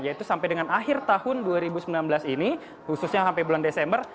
yaitu sampai dengan akhir tahun dua ribu sembilan belas ini khususnya sampai bulan desember